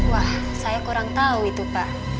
wah saya kurang tahu itu pak